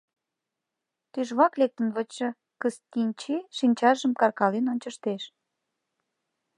Тӱжвак лектын вочшо Кыстинчи шинчажым каркален ончыштеш.